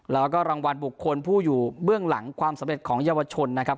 แล้วก็รางวัลบุคคลผู้อยู่เบื้องหลังความสำเร็จของเยาวชนนะครับ